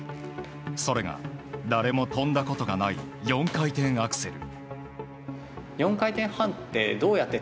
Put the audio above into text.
それが、誰も跳んだことがない４回転アクセル。